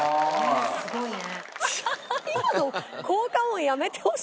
すごいね。